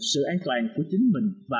sự an toàn của chính mình